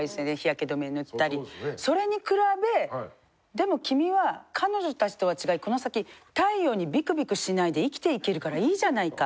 それに比べ「でも君は彼女たちとは違いこの先太陽にビクビクしないで生きていけるからいいじゃないか。